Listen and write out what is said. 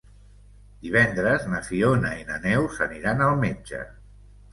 Divendres na Fiona i na Neus aniran al metge.